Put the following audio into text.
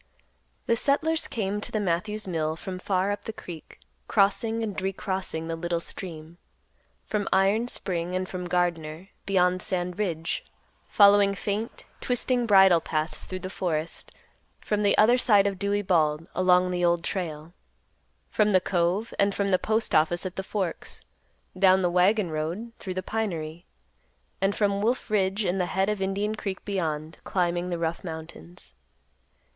The settlers came to the Matthews mill from far up the creek, crossing and recrossing the little stream; from Iron Spring and from Gardner, beyond Sand Ridge, following faint, twisting bridle paths through the forest; from the other side of Dewey Bald, along the Old Trail; from the Cove and from the Postoffice at the Forks, down the wagon road, through the pinery; and from Wolf Ridge and the head of Indian Creek beyond, climbing the rough mountains.